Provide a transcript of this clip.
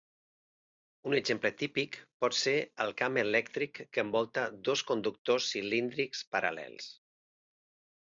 Un exemple típic pot ser el camp elèctric que envolta dos conductors cilíndrics paral·lels.